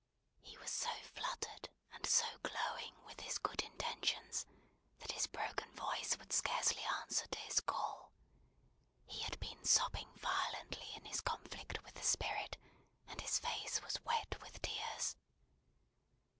He was so fluttered and so glowing with his good intentions, that his broken voice would scarcely answer to his call. He had been sobbing violently in his conflict with the Spirit, and his face was wet with tears.